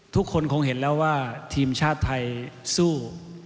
ทุกคนคงเห็นแล้วว่าทีมชาติไทยสู้